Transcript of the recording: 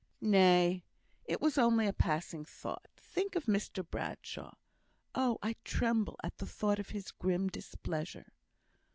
"Nay, it was only a passing thought. Think of Mr Bradshaw. Oh! I tremble at the thought of his grim displeasure."